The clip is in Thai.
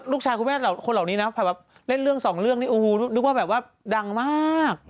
ลูกชายคนเหล่านี้เล่นเรื่อง๒เรื่องนี้ดุงว่าแบบว่าดังมาก